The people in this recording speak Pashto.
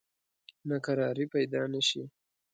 ناکراری پیدا نه شي.